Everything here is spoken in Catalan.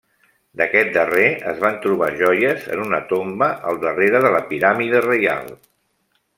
D'aquest darrer, es van trobar joies en una tomba al darrere de la piràmide reial.